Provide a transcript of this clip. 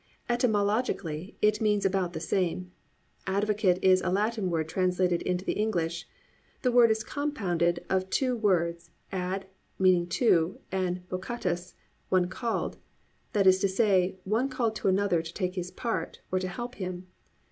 Etymologically it means about the same. Advocate is a Latin word transliterated into the English. The word is compounded of two words, ad, meaning to, and vocatus, one called, that is to say, one called to another to take his part, or to help him.